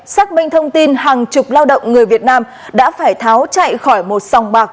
xác minh thông tin hàng chục lao động người việt nam đã phải tháo chạy khỏi một sòng bạc